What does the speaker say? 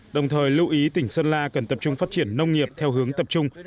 đồng thời lưu ý tỉnh sơn la cần tập trung phát triển nông nghiệp theo hướng tập trung